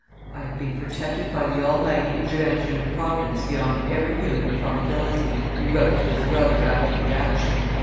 "I have been protected by the almighty intervention of Providence beyond every human probability," he wrote to his brother after the action.